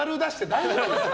大丈夫ですか？